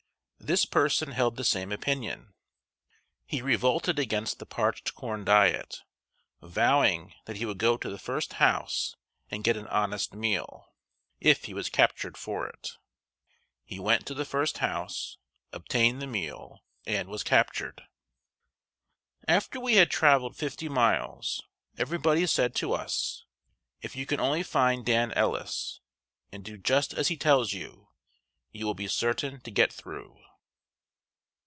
This person held the same opinion. He revolted against the parched corn diet, vowing that he would go to the first house and get an honest meal, if he was captured for it. He went to the first house, obtained the meal, and was captured. After we had traveled fifty miles, everybody said to us, "If you can only find Dan Ellis, and do just as he tells you, you will be certain to get through."